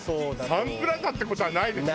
「サンプラザ」って事はないでしょ。